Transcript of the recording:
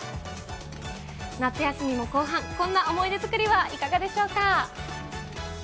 夏休みも後半、こんな思い出作りはいかがでしょうか。